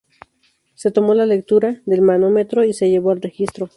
Se tomó la lectura del manómetro y se llevó al registro.